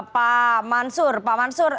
pak mansur pak mansur